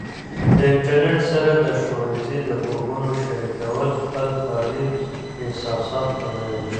د انټرنیټ سره د ښوونځي د خوبونو شریکول خپل خالي احساسات کموي.